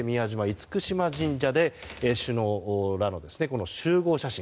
厳島神社で首脳らの集合写真。